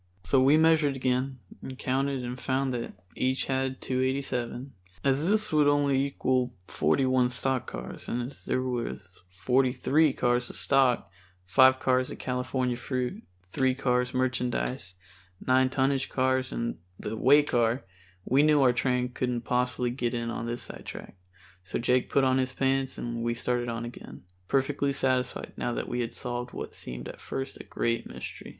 So we measured again and counted and found they each had 287. As this would only equal forty one stock cars, and as there was forty three cars of stock, five cars of California fruit, three cars merchandise, nine tonnage cars and the way car, we knew our train couldn't possibly get in on this sidetrack. So Jake put on his pants and we started on again, perfectly satisfied now that we had solved what seemed at first a great mystery.